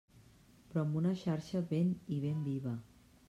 Però amb una xarxa ben i ben viva.